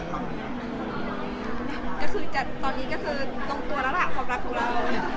ก็คือตอนนี้ก็คือตรงตัวแล้วล่ะความรักของเรา